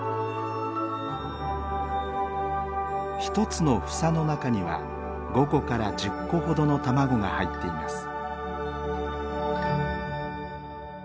１つの房の中には５個から１０個ほどの卵が入っています。